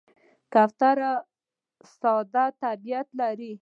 کوتره ساده طبیعت لري.